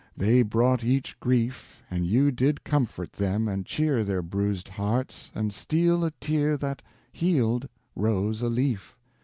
They brought each grief, And you did comfort them and cheer Their bruised hearts, and steal a tear That, healed, rose a leaf.